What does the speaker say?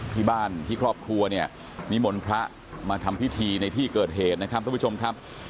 ที่บ้านที่ครอบครัวเนี่ยนิมนต์พระมาทำพิธีในที่เกิดเหตุนะครับทุกผู้ชมครับ